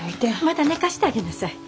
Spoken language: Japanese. まだ寝かしてあげなさい。